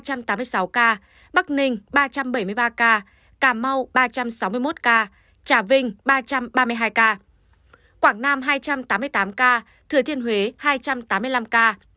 hà nội hai tám trăm tám mươi sáu ca bắc ninh ba trăm bảy mươi ba ca cà mau ba trăm sáu mươi một ca trà vinh ba trăm ba mươi hai ca quảng nam hai trăm tám mươi tám ca thừa thiên huế hai trăm tám mươi năm ca